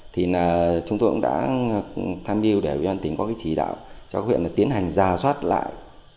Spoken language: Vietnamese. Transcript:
thì chúng tôi cũng đã tham biêu để ubnd có cái chỉ đạo cho các huyện tiến hành ra soát lại